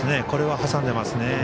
これは挟んでいますね。